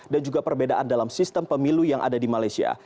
dan juga perbedaan dalam sistem pemilu yang ada di malaysia